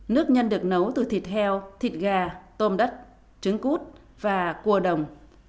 nước nhân được nấu từ thịt heo thịt gà tôm đất trứng cút và cua đồng